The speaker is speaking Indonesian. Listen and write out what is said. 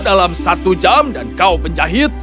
dalam satu jam dan kau penjahit